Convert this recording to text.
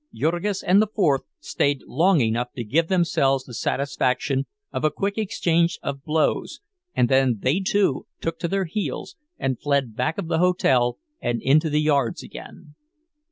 Jurgis and the fourth stayed long enough to give themselves the satisfaction of a quick exchange of blows, and then they, too, took to their heels and fled back of the hotel and into the yards again.